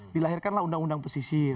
dilahirkanlah undang undang pesisir